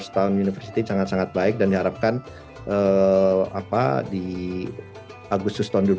jadi itu adalah acara yang sangat sangat baik dan diharapkan di agustus tahun dua ribu dua puluh empat